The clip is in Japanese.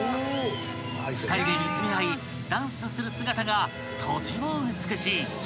［２人で見つめ合いダンスする姿がとても美しい］